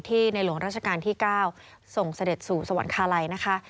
ในหลวงราชการที่๙ส่งเสด็จสู่สวรรคาลัยนะคะ